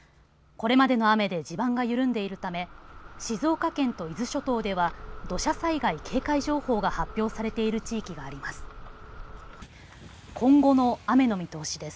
これまでの雨で地盤が緩んでいるため静岡県と伊豆諸島では土砂災害警戒情報が発表されている地域があります。